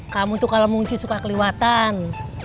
kamu tuh kalo munci suka keliwatan